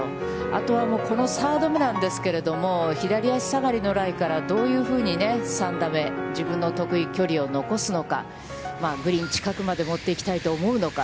あとはこのサード目なんですけれども、左足下がりのライから、どういうふうに３打目自分の得意距離を残すのか、グリーン近くまで持っていきたいと思うのか。